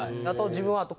あと自分は。